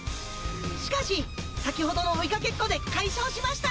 しかし先ほどの追いかけっこで解消しました。